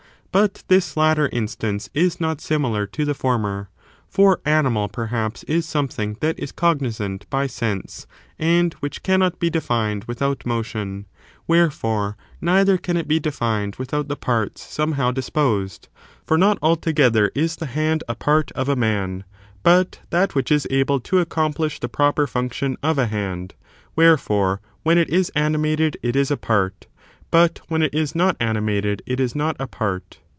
But this latter instance is not similar to the former, for animal, perhaps, is something that is cognisant by sense, and which cannot be defined without motion ; wherefore, neither can it be defined without the parts somehow disposed. For not altogether is the hand a part of a man, but that which is able to accom phsh the proper function of a hand ; wherefore, when it is animated it is a part, but when it is not animated it is not a part.